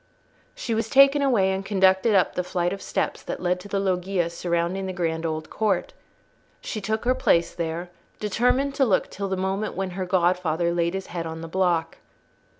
She was taken away and conducted up the flight of steps that led to the loggia surrounding the grand old court. She took her place there, determined to look till the moment when her godfather laid his head on the block.